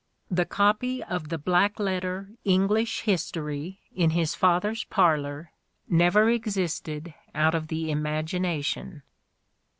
" The copy of the black letter English History ... in his father's parlour, never existed out of the imagination."